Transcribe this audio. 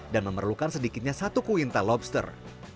dan memerlukan sedikitnya satu kuinta lobster